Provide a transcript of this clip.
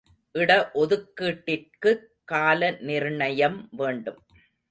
இட ஒதுக்கீட்டிற்குக் கால நிர்ணயம் வேண்டும்.